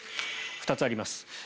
２つあります。